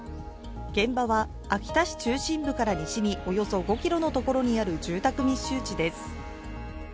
現場は秋田市中心部から西におよそ５ｋｍのところにある住宅密集地です。